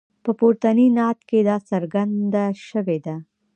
په پورتني نعت کې دا څرګنده شوې ده.